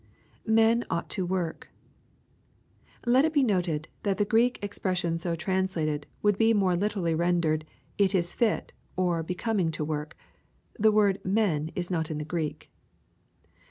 [Men ought to work.] Let it be noted, that the Q reek expres sion so translated, would be more literally rendered, " it is fit, oi becoming to work." The word " men" is not in the Greek.